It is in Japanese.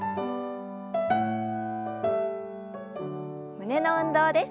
胸の運動です。